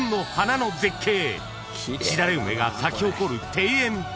［しだれ梅が咲き誇る庭園］